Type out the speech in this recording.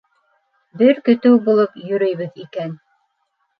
- Бер көтөү булып йөрөйбөҙ икән.